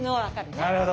なるほど。